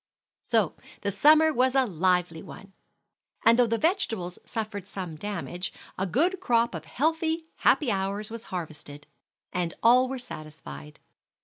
So the summer was a lively one, and though the vegetables suffered some damage, a good crop of healthy, happy hours was harvested, and all were satisfied.